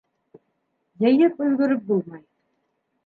Йыйып өлгөрөп булмай.